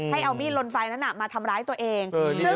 ให้เอามีดลนไฟนั้นมาทำร้ายตัวเอง